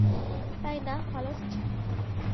তাই না, হলস্ট?